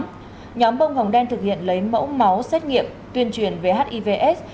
trước đó nhóm bông hồng đen thực hiện lấy mẫu máu xét nghiệm tuyên truyền về hivs